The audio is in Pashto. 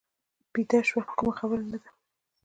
بیده شو، کومه خبره نه ده.